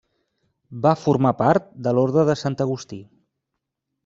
Va formar part de l'Orde de Sant Agustí.